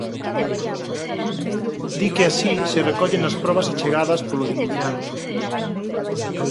Di que así se recolle nas probas achegadas polo denunciante.